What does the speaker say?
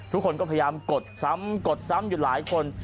ทุกคนก็พยายามกดซ้ำกดซ้ำอยู่หลายคน